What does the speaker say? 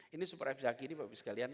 ini super epi zaki ini bapak ibu sekalian